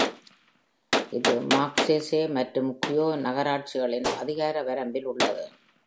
இது மாக்சேசே மற்றும் குயோ நகராட்சிகளின் அதிகார வரம்பில் உள்ளது.